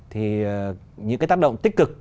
thì những cái tác động tích cực